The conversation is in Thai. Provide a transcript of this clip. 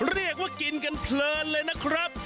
เรียกว่ากินกันเพลินเลยนะครับ